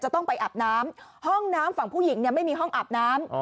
ต้องไปอาบน้ำห้องน้ำฝั่งผู้หญิงเนี่ยไม่มีห้องอาบน้ำ